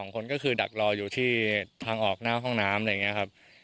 ๒คนก็คือดักรออยู่ที่ทางออกหน้าห้องน้ำอะไรอย่างนี้ครับ